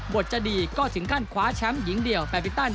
จะดีก็ถึงขั้นคว้าแชมป์หญิงเดี่ยวแบตมินตัน